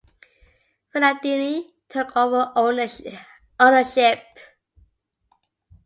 Fernandini took over ownership.